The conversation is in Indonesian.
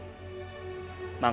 semua temen temen aku juga pada bingung